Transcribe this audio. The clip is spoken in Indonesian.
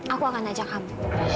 aku akan ajak kamu